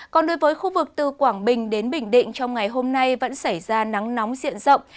còn đối với khu vực từ quảng bình đến bình định trong ngày hôm nay vẫn xảy ra nắng nóng diện rộng